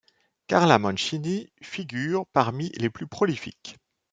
Carla Mancini figure parmi les plus prolifiques.